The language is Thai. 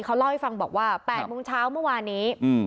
เขาเล่าให้ฟังบอกว่าครับแปดมุมเช้าเมื่อวานี้อืม